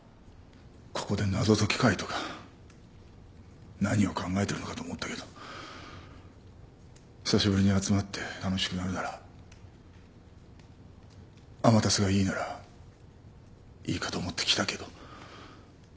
ここで謎解き会とか何を考えてるのかと思ったけど久しぶりに集まって楽しくなるなら天達がいいならいいかと思って来たけど。